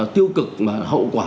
tiêu cực và hậu quả